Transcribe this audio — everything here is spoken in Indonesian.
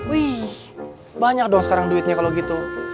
wih banyak dong sekarang duitnya kalau gitu